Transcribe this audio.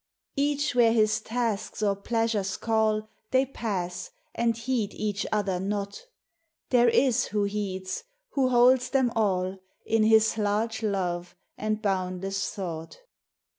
Each where his tasks or pleasures call, They pass, and heed each other not. There is who heeds, who holds them all In His large love and boundless thought.